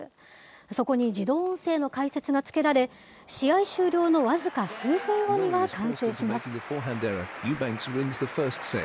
そこに自動音声の解説がつけられ、試合終了の僅か数分後には完成します。